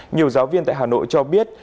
nhiều giáo viên tại hà nội cho biết